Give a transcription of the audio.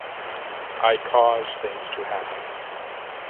I cause things to happen.